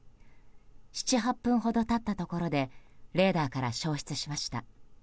７８分ほど経ったところでレーダーから消失しました。